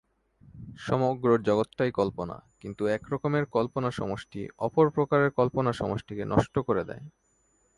সমগ্র জগৎটাই কল্পনা, কিন্তু একরকমের কল্পনাসমষ্টি অপর প্রকারের কল্পনাসমষ্টিকে নষ্ট করে দেয়।